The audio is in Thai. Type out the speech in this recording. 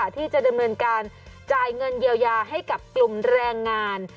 ที่จะดำเนินการจ่ายเงินเยียวยาให้กับกลุ่มแรงงาน